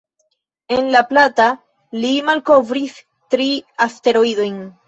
En La Plata li malkovris tri asteroidojn.